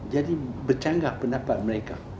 jadi bercanggah pendapat mereka